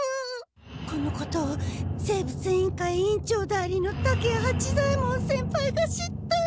このことを生物委員会委員長代理の竹谷八左ヱ門先輩が知ったら。